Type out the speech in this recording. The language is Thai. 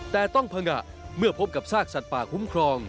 แต่ต้องพังงะเมื่อพบกับซากสัตว์ป่าคุ้มครอง